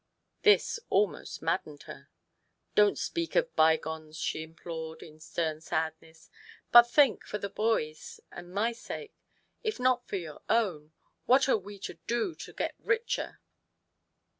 This almost maddened her. " Don't speak of bygones !" she implored, in stern sadness. " But think, for the boys' and my sake, if not for your own, what are we to do to get richer